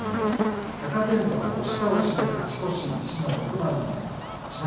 貴健斗が押し倒しで勝ち越し西の６枚目、志摩ノ